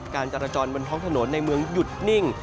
การจราจรบนท้องถนนในเมืองหยุดนิ่ง